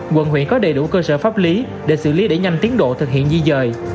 quận huyện có đầy đủ cơ sở pháp lý để xử lý để nhanh tiến độ thực hiện di dời